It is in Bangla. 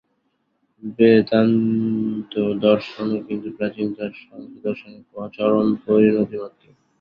বেদান্তদর্শনও কিন্তু প্রাচীনতর সাংখ্যদর্শনের চরম পরিণতিমাত্র।